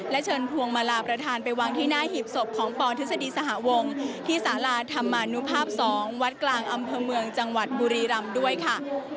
เชิญพวงมาลาประธานไปวางที่หน้าหีบศพของปทฤษฎีสหวงที่สาราธรรมนุภาพ๒วัดกลางอำเภอเมืองจังหวัดบุรีรำด้วยค่ะ